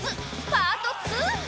パート２。